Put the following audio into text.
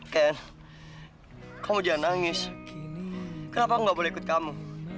ken kamu jangan nangis kenapa aku nggak boleh ikut kamu